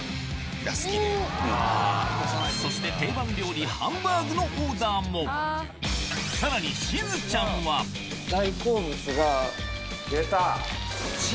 そして定番料理ハンバーグのオーダーもさらに出た！